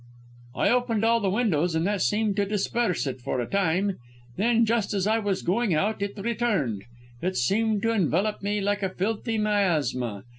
"I opened all the windows, and that seemed to disperse it for a time. Then, just as I was going out, it returned; it seemed to envelop me like a filthy miasma.